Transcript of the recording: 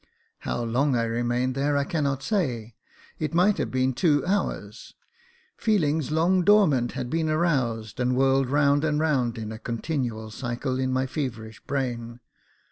How long I remained there I cannot say, it might have been two hours i feelings long dormant had been aroused and i6o Jacob Faithful whirled round and round in a continual cycle in my feverish brain.